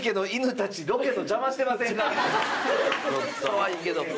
かわいいけども。